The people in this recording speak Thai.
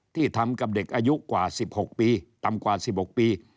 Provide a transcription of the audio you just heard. ที่ทำกับเด็กอายุกว่า๑๖ปีต่ำกว่า๑๖ปี